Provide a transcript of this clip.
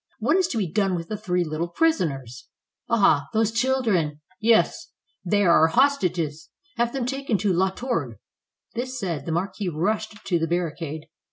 What is to be done with the three little prisoners?" "Ah, those children!" "Yes." "They are our hostages. Have them taken to La Tourgue." This said, the marquis rushed to the barricade.